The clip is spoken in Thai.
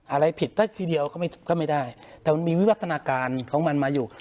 อะไรผิดซะทีเดียวก็ไม่ได้แต่มันมีวิวัฒนาการของมันมาอยู่